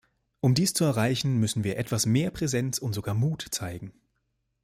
Um dies zu erreichen, müssen wir etwas mehr Präsenz und sogar Mut zeigen.